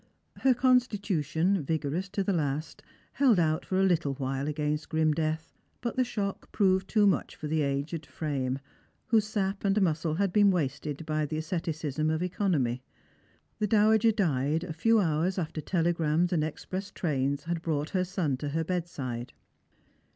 Her constitution, vigorous to the last, held out for a little while against grim death, but the shock proved too much for the aged frame, whose sap and muscle had been wasted by the asceticism of economy. The dowager died a few hours after telegrams and express trains had brought her son to her bed side.